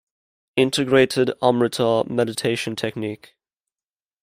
Integrated Amrita Meditation Technique.